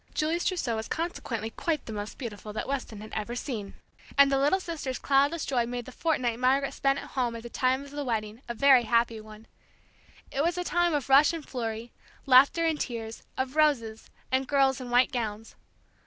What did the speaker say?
Julie's trousseau was consequently quite the most beautiful Weston had ever seen; and the little sister's cloudless joy made the fortnight Margaret spent at home at the time of the wedding a very happy one. It was a time of rush and flurry, laughter and tears, of roses, and girls in white gowns.